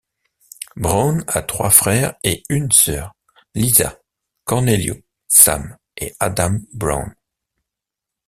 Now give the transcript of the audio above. Braun a trois frères et une sœur : Liza, Cornelio, Sam, et Adam Braun.